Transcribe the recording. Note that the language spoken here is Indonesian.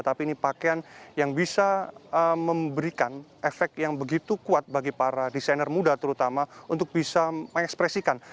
tapi ini pakaian yang bisa memberikan efek yang begitu kuat bagi para desainer muda terutama untuk bisa mengekspresikan